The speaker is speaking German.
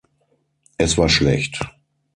Es war schlecht.